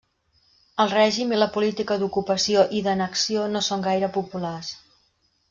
El règim i la política d'ocupació i d'annexió no són gaire populars.